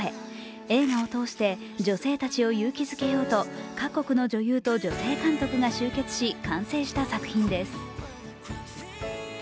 映画を通して女性たちを勇気づけようと各国の女優と女性監督が集結し完成した作品です。